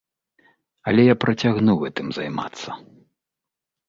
Але я працягну гэтым займацца.